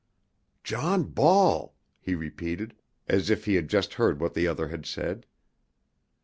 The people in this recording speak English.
"John Ball!" he repeated, as if he had just heard what the other had said.